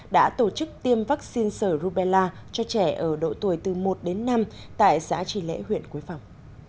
đã tổ chức tiêm vaccine sở rubella cho trẻ ở độ tuổi từ một đến năm tại xã tri lễ huyện quế phòng